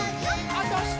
あ、どした！